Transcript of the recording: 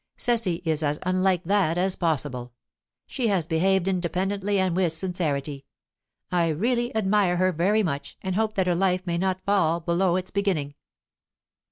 Cecily is as unlike that as possible; she has behaved independently and with sincerity. I really admire her very much, and hope that her life may not fall below its beginning.